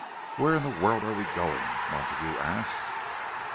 "Where in the world are we going?" Montague asked.